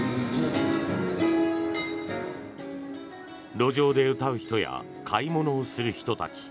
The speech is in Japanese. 路上で歌う人や買い物をする人たち。